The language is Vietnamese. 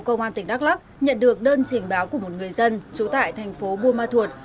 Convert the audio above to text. công an tỉnh đắk lắc nhận được đơn trình báo của một người dân trú tại thành phố buôn ma thuột